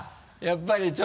やっぱり。